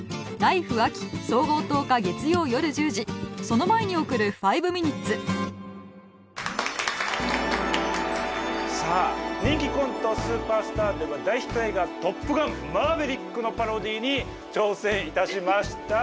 その前に送る「５ミニッツ」さあ人気コント「スーパースター」では大ヒット映画「トップガンマーヴェリック」のパロディーに挑戦いたしました。